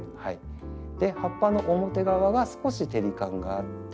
葉っぱの表側は少し照り感があって緑色。